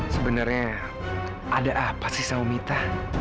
sebenarnya ada apa sih saumita